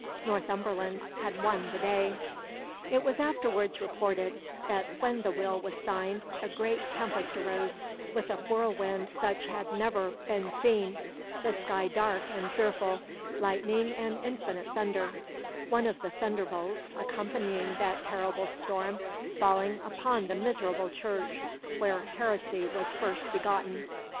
Northumberland had won the day. It was afterwards reported that when the will was signed a great tempest arose, with a whirlwind such as had never been seen, the sky dark and fearful, lightning and infinite thunder; one of the thunderbolts accompanying that terrible storm falling upon the miserable church where heresy was first begotten....